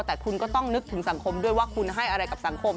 แต่คุณก็ต้องนึกถึงสังคมด้วยว่าคุณให้อะไรกับสังคม